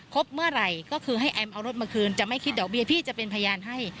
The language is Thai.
เมื่อไหร่ก็คือให้แอมเอารถมาคืนจะไม่คิดดอกเบี้ยพี่จะเป็นพยานให้